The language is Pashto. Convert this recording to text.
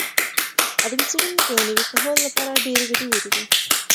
ادبي څېړنې د نوي کهول لپاره ډېرې ګټورې دي.